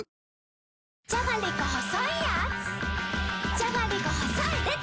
じゃがりこ細いでた‼